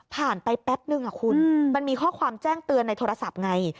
ไปแป๊บนึงคุณมันมีข้อความแจ้งเตือนในโทรศัพท์ไง